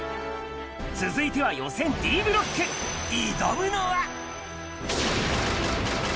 続いては予選Ｄブロック、挑むのは。